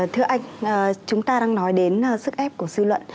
thưa anh chúng ta đang nói đến sức ép của dư luận